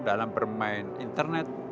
dalam bermain internet